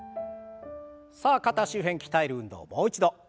さあ肩周辺鍛える運動もう一度。